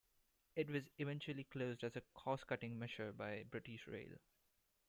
It was eventually closed as a cost-cutting measure by British Rail.